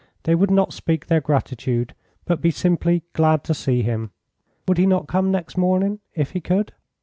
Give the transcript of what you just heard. They would not speak their gratitude, but be simply glad to see him. Would he not come next morning, if he could?